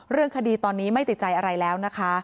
เรื่องคดีตอนนี้ไม่ติดใจอะไรแล้วนะคะ